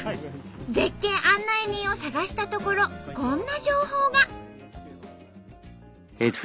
絶景案内人を探したところこんな情報が。